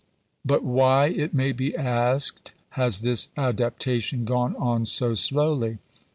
But why, it may be asked, has this adaptation gone on so slowly?